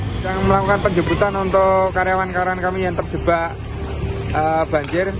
sedang melakukan penjemputan untuk karyawan karyawan kami yang terjebak banjir